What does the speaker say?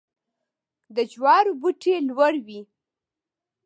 د جوارو بوټی لوړ وي.